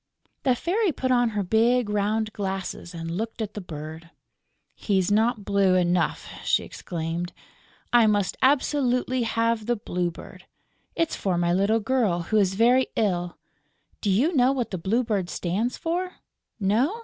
The Fairy put on her big, round glasses and looked at the bird: "He's not blue enough," she exclaimed. "I must absolutely have the Blue Bird. It's for my little girl, who is very ill.... Do you know what the Blue Bird stands for? No?